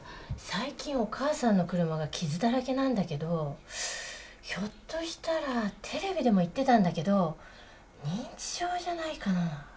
最近お母さんの車が傷だらけなんだけどひょっとしたらテレビでも言ってたんだけど認知症じゃないかな？